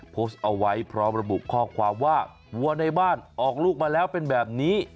โพสต์เอาไว้พร้อมระบุข้อความว่าวัวในบ้านออกลูกมาแล้วเป็นแบบนี้